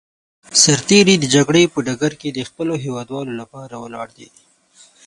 سرتېری د جګړې په ډګر کې د خپلو هېوادوالو لپاره ولاړ دی.